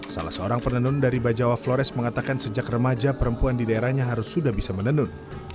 salah seorang penenun dari bajawa flores mengatakan sejak remaja perempuan di daerahnya harus sudah bisa menenun